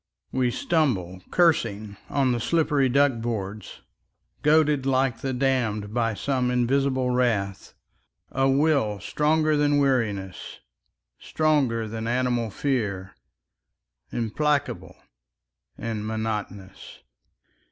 We stumble, cursing, on the slippery duck boards. Goaded like the damned by some invisible wrath, A will stronger than weariness, stronger than animal fear, Implacable and monotonous.